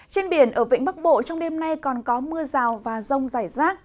trên biển ở vĩnh bắc bộ trong đêm nay còn có mưa rào và rông rải rác